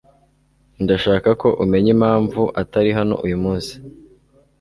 Ndashaka ko umenya impamvu atari hano uyu munsi.